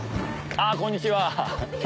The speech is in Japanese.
あっこんにちは。